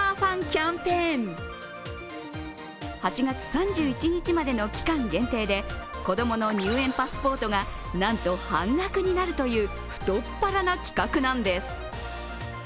キャンペーン８月３１日までの期間限定で、子供の入園パスポートがなんと半額になるという太っ腹な企画なんです。